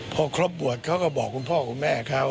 พอครบบวชเขาก็บอกคุณพ่อคุณแม่เขา